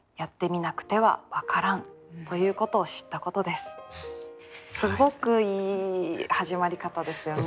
すごくいい始まり方ですよね。